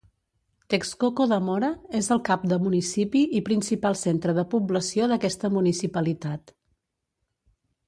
Texcoco de Mora és el cap de municipi i principal centre de població d'aquesta municipalitat.